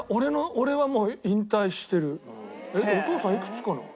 お父さんいくつかな？